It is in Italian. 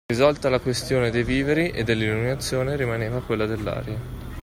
Risolta la questione dei viveri e dell’illuminazione, rimaneva quella dell’aria;